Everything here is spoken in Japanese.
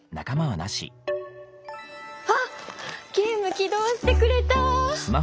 あっゲーム起動してくれた！